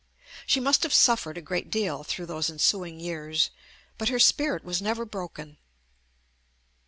She must have suffered a great deal through those ensuing years, but her spirit was never broken.